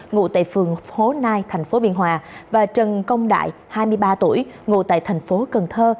ngụ tại phường hố nai thành phố biên hòa và trần công đại hai mươi ba tuổi ngụ tại thành phố cần thơ